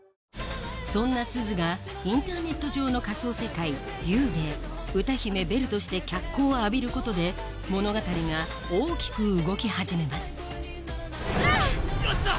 そんなすずがインターネット上の仮想世界「Ｕ」で歌姫・ベルとして脚光を浴びることで物語が大きく動き始めます奴だ！